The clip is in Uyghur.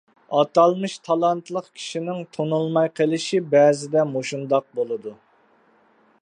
ئاتالمىش تالانتلىق كىشىنىڭ تونۇلماي قېلىشى، بەزىدە مۇشۇنداق بولىدۇ.